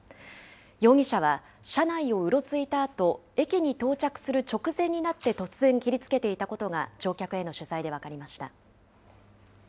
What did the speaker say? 容疑者は、車内をうろついたあと、駅に到着する直前になって突然、切りつけていたことが乗客への取材で分かりました。